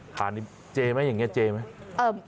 ทานนี้เจ๊ไหมอย่างนี้เจ๊ไหม